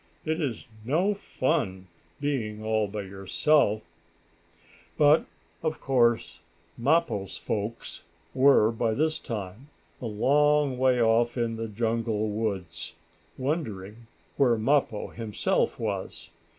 It is no fun being all by yourself." But of course Mappo's folks were, by this time, a long way off in the jungle woods, wondering where Mappo himself was.